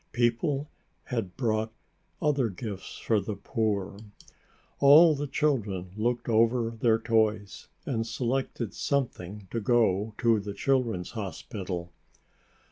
People had brought other gifts for the poor. All the children looked over their toys and selected something to go to the Children's Hospital.